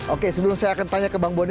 oke sebelum saya akan tanya ke bang boni